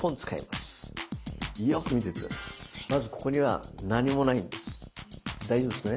まずここには何もないんです。